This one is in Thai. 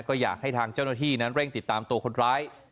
ก็อยากให้ทางเจ้าหน้าที่นั้นเร่งติดตามตัวคนร้าย